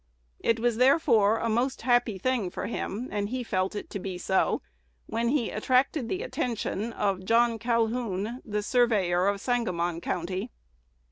It was therefore a most happy thing for him, and he felt it to be so, when he attracted the attention of John Calhoun, the surveyor of Sangamon County.